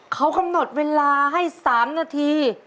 เขากำหนดเวลาให้๓นาที